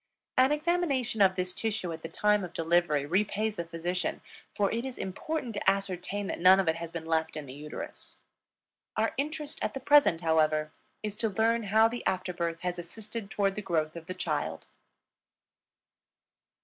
An examination of this tissue at the time of delivery repays the physician, for it is important to ascertain that none of it has been left in the uterus. Our interest at present, however, is to learn how the after birth has assisted toward the growth of the child.